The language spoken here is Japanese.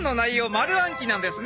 丸暗記なんですね。